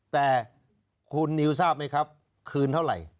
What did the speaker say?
แต่คุณนิวทราบไหมครับคืนเท่าไหร่